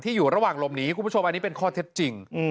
อยู่ระหว่างหลบหนีคุณผู้ชมอันนี้เป็นข้อเท็จจริง